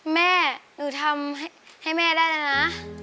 แม่หนูทำให้แม่ได้แล้วนะ